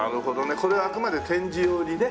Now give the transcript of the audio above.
これはあくまで展示用にね。